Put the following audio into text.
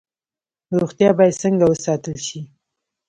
روغتیا باید څنګه وساتل شي؟